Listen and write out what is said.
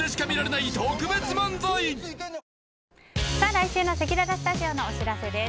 来週のせきららスタジオのお知らせです。